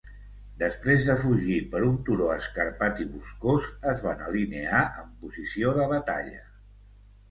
Després de fugir per un turó escarpat i boscós, es van alinear en posició de batalla.